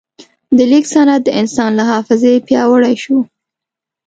د لیک سند د انسان له حافظې پیاوړی شو.